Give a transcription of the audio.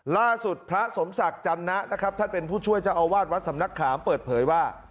ล่าสุดพระสมศักดิ์จันนะนะครับท่านเป็นผู้ช่วยเจ้าอาวาสวัดสำนักขามเปิดเผยว่า